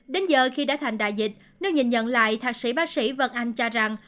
đến giờ khi đã thành đại dịch nó nhìn nhận lại thạc sĩ bác sĩ vân anh cho rằng